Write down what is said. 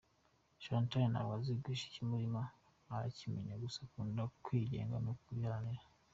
Chantal ntabwo azi guhisha ikimurimo urakimenya gusa akunda kwigenga no kubiharanira.